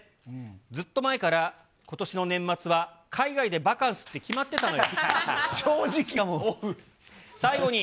ずっと前から、ことしの年末は海外でバカンスって決まってたのよ。